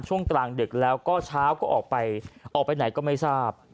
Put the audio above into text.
ช่วงกลางดึกแล้วก็เช้าก็ออกไปออกไปไหนก็ไม่ทราบ